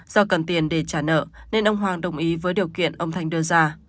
do cần tiền để trả nợ nên ông hoàng đồng ý với điều kiện ông thanh đưa ra